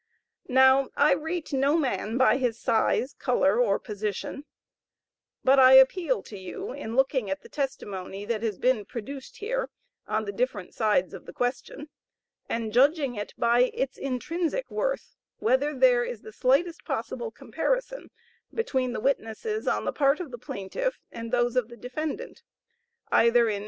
Now I rate no man by his size, color, or position, but I appeal to you in looking at the testimony that has been produced here, on the different sides of the question, and judging it by its intrinsic worth, whether there is the slightest possible comparison between the witnesses on the part of the plaintiff, and those of the defendant, either in intelligence, memory, language, thought, or anything else.